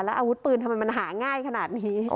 อาวุธปืนทำไมมันหาง่ายขนาดนี้